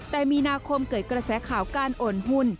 แต่มีนาคมเกิดกระแสข่าวการโอนหุ้น